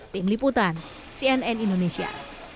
tim liputan cnn indonesia